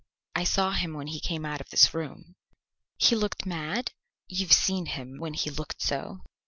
"I saw him when he came out of this room." "He looked mad?" "You've seen him when he looked so."